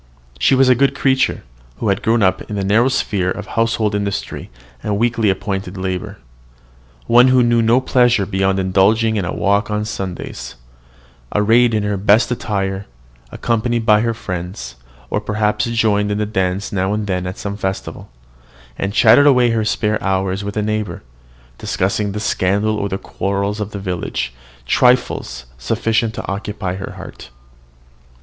She was a good creature, who had grown up in the narrow sphere of household industry and weekly appointed labour; one who knew no pleasure beyond indulging in a walk on Sundays, arrayed in her best attire, accompanied by her friends, or perhaps joining in the dance now and then at some festival, and chatting away her spare hours with a neighbour, discussing the scandal or the quarrels of the village, trifles sufficient to occupy her heart.